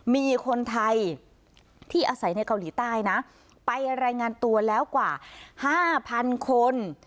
มีคนไทยที่อาศัยในเกาหลีใต้นะไปรายงานตัวแล้วกว่า๕๐๐๐คน